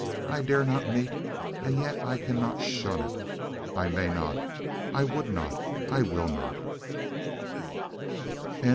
I dare not meet, and yet I cannot shun it I may not I would not I will not!"